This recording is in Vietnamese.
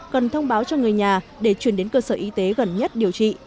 cần thông báo cho người nhà để chuyển đến cơ sở y tế gần nhất điều trị